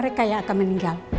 mereka yang akan meninggal